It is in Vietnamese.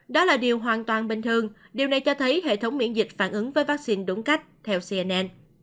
đó là điều hoàn toàn bình thường điều này cho thấy hệ thống miễn dịch phản ứng với vaccine đúng cách theo cnn